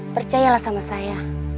percayalah sama saya